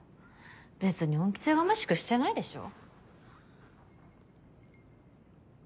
別に恩着せがましくしてないでしょ？